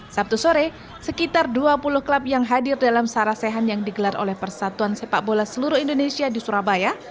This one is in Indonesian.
sabtu sore sekitar dua puluh klub yang hadir dalam sarasehan yang digelar oleh persatuan sepak bola seluruh indonesia di surabaya